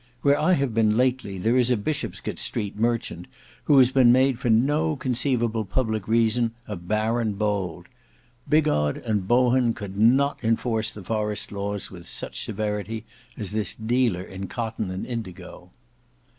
Where I have been lately, there is a Bishopsgate Street merchant who has been made for no conceiveable public reason a baron bold. Bigod and Bohun could not enforce the forest laws with such severity as this dealer in cotton and indigo."